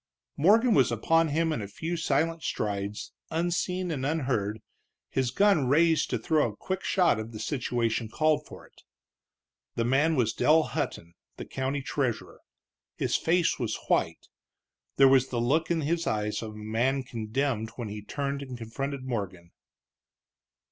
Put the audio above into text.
Morgan was upon him in a few silent strides, unseen and unheard, his gun raised to throw a quick shot if the situation called for it. The man was Dell Hutton, the county treasurer. His face was white. There was the look in his eyes of a man condemned when he turned and confronted Morgan.